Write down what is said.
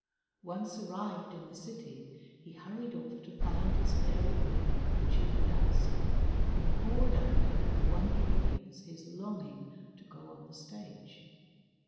Once arrived in the city, he hurried ofif to find his fairy queen, the chief dancer, and poured out in her wondering ears his long ing to go on the stage.